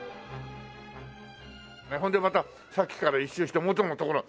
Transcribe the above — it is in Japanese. ほんでまたさっきから一周して元の所へ。